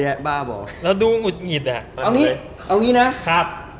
เอางี้นะ